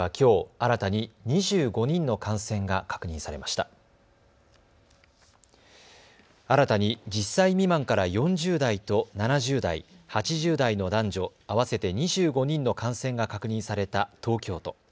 新たに１０歳未満から４０代と７０代、８０代の男女、合わせて２５人の感染が確認された東京都。